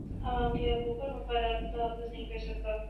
عوام کے حقوق اور مفادات کا تحفظ نہیں کر سکتا